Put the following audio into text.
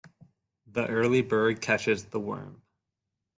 The early bird catches the worm.